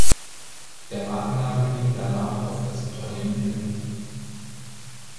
Der Markenname ging danach auf das Unternehmen über.